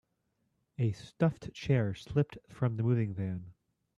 A stuffed chair slipped from the moving van.